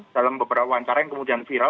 dalam beberapa wawancara yang kemudian viral